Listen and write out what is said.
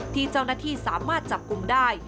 ที่เจ้าหน้าที่สามารถจับกลุ่มได้